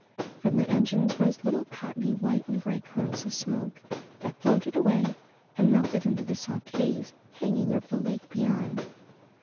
From the engines rose little cottony white and gray curls of smoke, that floated away and melted into the soft haze hanging over the lake beyond.